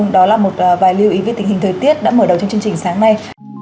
đó là một vài lưu ý về tình hình thời tiết đã mở đầu trong chương trình sáng nay